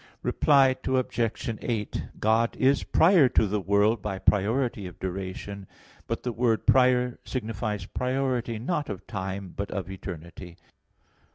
Reply Obj. 8: God is prior to the world by priority of duration. But the word "prior" signifies priority not of time, but of eternity.